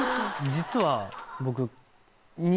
実は僕。